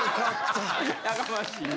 やかましい。